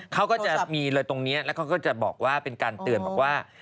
เขาก็จะมีเลยตรงนี้แล้วเขาก็จะบอกว่าเป็นการเตือนบอกว่า